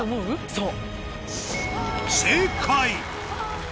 そう。